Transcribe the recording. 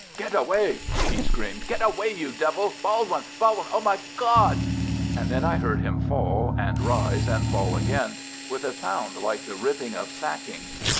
"Get away!" he screamed. "Get away, you devil! Baldwin! Baldwin! Oh, my God!" And then I heard him fall, and rise, and fall again, with a sound like the ripping of sacking.